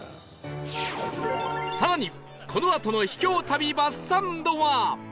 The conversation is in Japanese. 更にこのあとの秘境旅バスサンドは